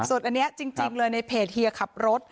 ส่วนอันนี้จริงเลยในเพจเฮียขับรถ